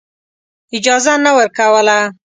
اجازه نه ورکوله.